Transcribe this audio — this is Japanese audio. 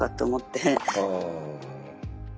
ああ。